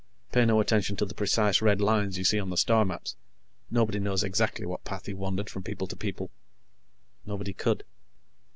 Pay no attention to the precise red lines you see on the star maps; nobody knows exactly what path he wandered from people to people. Nobody could.